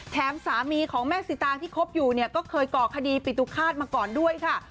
สามีของแม่สิตางที่คบอยู่เนี่ยก็เคยก่อคดีปิตุฆาตมาก่อนด้วยค่ะ